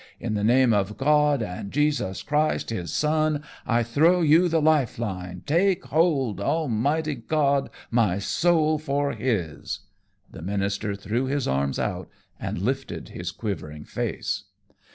In the name of God, and Jesus Christ his Son, I throw you the life line. Take hold! Almighty God, my soul for his!" The minister threw his arms out and lifted his quivering face.